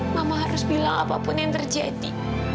mama harus bilang apapun yang terjadi